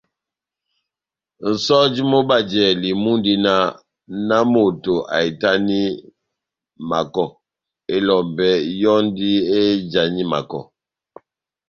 Nʼsɔjo mú bajlali mundi náh : nahámoto ahitani makɔ, elɔmbɛ yɔ́ndi éjani makɔ.